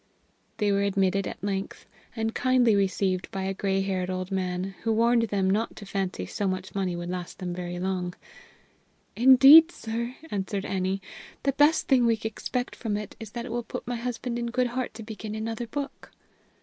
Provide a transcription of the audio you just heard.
They were admitted at length, and kindly received by a gray haired old man, who warned them not to fancy so much money would last them very long. "Indeed, sir," answered Annie, "the best thing we expect from it is that it will put my husband in good heart to begin another book."